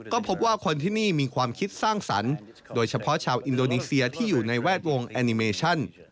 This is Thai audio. ก็พบว่าคนที่นี่มีความคิดสร้างสรรค์โดยเฉพาะชาวอินโดนีเซียที่อยู่ในแวดวงแอนิเมชั่น